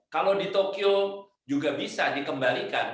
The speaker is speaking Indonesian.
kalau di tokyo juga bisa dikembalikan